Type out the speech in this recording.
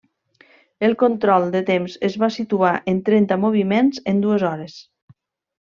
El control de temps es va situar en trenta moviments en dues hores.